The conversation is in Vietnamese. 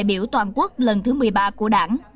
đại biểu toàn quốc lần thứ một mươi ba của đảng